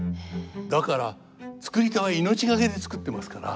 だから作り手は命懸けで作ってますから。